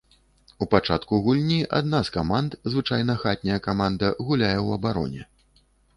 У пачатку гульні адна з каманд, звычайна хатняя каманда, гуляе ў абароне.